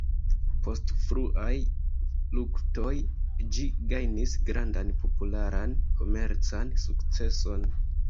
Post fruaj luktoj, ĝi gajnis grandan popularan komercan sukceson.